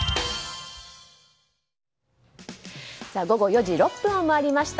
午後４時６分を回りました。